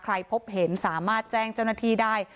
พบเห็นสามารถแจ้งเจ้าหน้าที่ได้